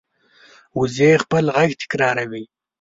وزې خپل غږ تکراروي